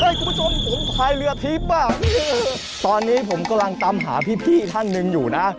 คุณผู้ชมผมพายเรือทิพย์อ่ะตอนนี้ผมกำลังตามหาพี่ท่านหนึ่งอยู่นะ